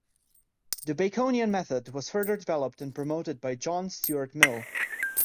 The Baconian method was further developed and promoted by John Stuart Mill.